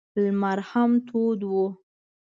لمر هم تود و.